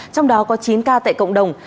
trong đó có chín ca tại cộng đồng